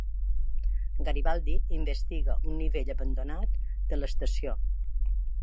Garibaldi investiga un nivell abandonat de l'estació.